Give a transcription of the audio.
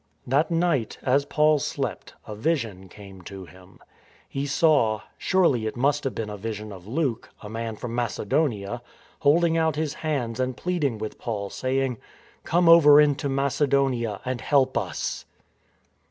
That night, as Paul slept, a Vision came to him. He saw — surely it must have been a vision of Luke ■— a man from Macedonia — holding out his hands and pleading with Paul, saying: *' Come over into Macedonia and help us.